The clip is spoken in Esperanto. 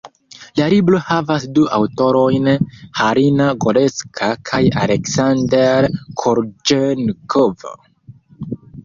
La libro havas du aŭtorojn, Halina Gorecka kaj Aleksander Korĵenkov.